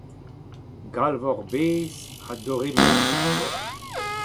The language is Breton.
Glav hor bez a-dorimell.